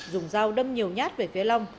dùng dao đâm nhiều nhát về phía long